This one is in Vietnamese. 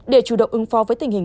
để chủ động ứng phó